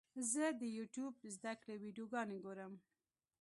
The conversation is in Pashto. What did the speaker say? زه د یوټیوب زده کړې ویډیوګانې ګورم.